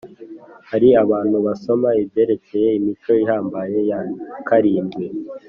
Hari abantu basoma ibyerekeye imico ihambaye ya karindwi